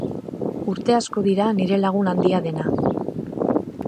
Urte asko dira nire lagun handia dena.